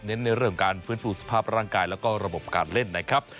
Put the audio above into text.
ในเรื่องการฟื้นฟูสภาพร่างกายแล้วก็ระบบการเล่นนะครับ